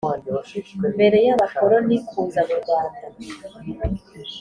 mbere y’abakoroni kuza m’urwanda